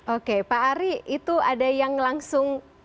oke pak ari itu ada yang langsung